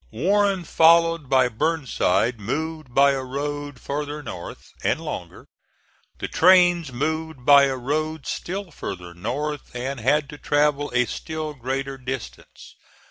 Warren, followed by Burnside, moved by a road farther north, and longer. The trains moved by a road still farther north, and had to travel a still greater distance.